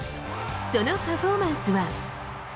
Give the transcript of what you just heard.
そのパフォーマンスは。